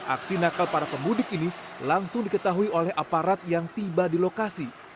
aksi nakal para pemudik ini langsung diketahui oleh aparat yang tiba di lokasi